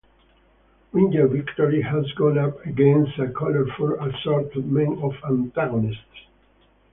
Winged Victory has gone up against a colorful assortment of antagonists.